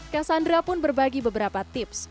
cassandra pun berbagi beberapa tips